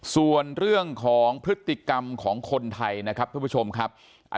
ส่วนเรื่องของพฤติกรรมของคนไทยนะครับท่านผู้ชมครับ